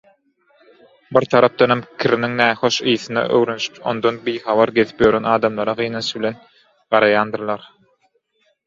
Bir tarapdanam kiriniň nähoş ysyna öwrenşip ondan bihabar gezip ýören adamlara gynanç bilen garaýandyrlar.